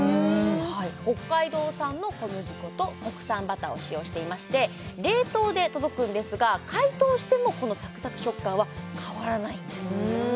北海道産の小麦粉と国産バターを使用していまして冷凍で届くんですが解凍してもこのサクサク食感は変わらないんです